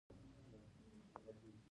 پوځ د هېرولو یا هم له لاسه ورکولو لپاره.